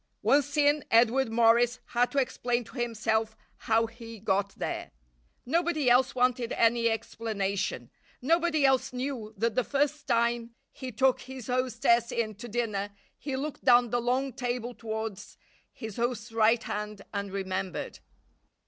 Once in, Edward Morris had to explain to himself how he got there. Nobody else wanted any explanation. Nobody else knew that the first time he took his hostess in to dinner he looked down the long table towards his host's right hand and remembered.